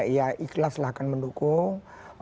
ya ikhlas lah akan mendukung